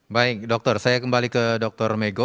baik dokter saya kembali ke dokter megho